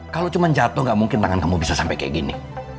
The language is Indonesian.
kalau cuma jatuh gak mungkin tangan kamu bisa sampai kayak gini